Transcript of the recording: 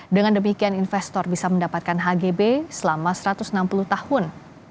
dengan demikian investor bisa mendapatkan hgb selama satu ratus enam puluh tahun